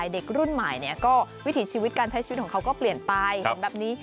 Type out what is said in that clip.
เด็กรุ่นใหม่ก็วิถีชีวิตการใช้ชีวิตของเขาก็เปลี่ยนไปเห็นแบบนี้